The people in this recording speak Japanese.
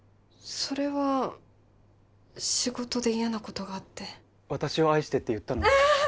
それは仕事で嫌なことがあって私を愛してって言ったのはあ！